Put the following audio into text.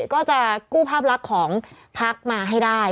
ก็จะกู้ภาพลักษณ์ของพักมาให้ได้